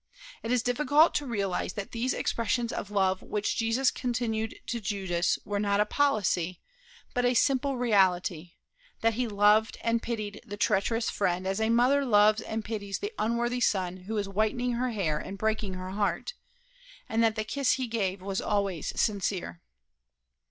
It is difficult to realize that these expressions of love which Jesus continued to Judas were not a policy, but a simple reality, that he loved and pitied the treacherous friend as a mother loves and pities the unworthy son who is whitening her hair and breaking her heart, and that the kiss he gave was always sincere.